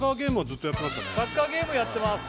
サッカーゲームやってます